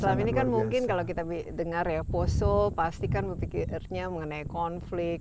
selama ini kan mungkin kalau kita dengar ya poso pasti kan berpikirnya mengenai konflik